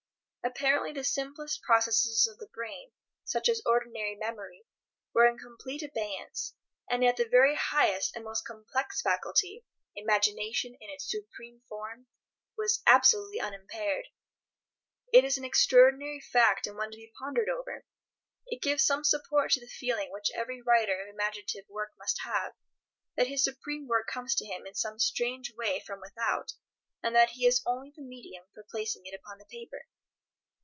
Apparently the simplest processes of the brain, such as ordinary memory, were in complete abeyance, and yet the very highest and most complex faculty—imagination in its supreme form—was absolutely unimpaired. It is an extraordinary fact, and one to be pondered over. It gives some support to the feeling which every writer of imaginative work must have, that his supreme work comes to him in some strange way from without, and that he is only the medium for placing it upon the paper.